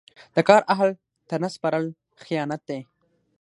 د کار اهل ته نه سپارل خیانت دی.